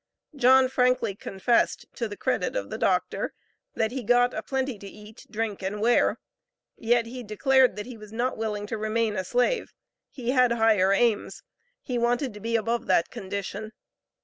John frankly confessed, to the credit of the doctor, that he got "a plenty to eat, drink and wear," yet he declared that he was not willing to remain a slave, he had higher aims; he wanted to be above that condition.